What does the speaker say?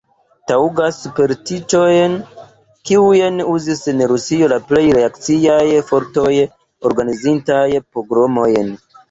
Taŭgas superstiĉoj, kiujn uzis en Rusio la plej reakciaj fortoj, organizintaj pogromojn.